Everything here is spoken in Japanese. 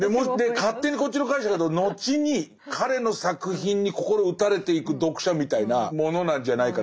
勝手にこっちの解釈だと後に彼の作品に心打たれていく読者みたいなものなんじゃないかな。